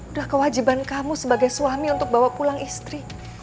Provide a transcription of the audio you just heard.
udah kewajiban kamu sebagai suami untuk bawa pulang istri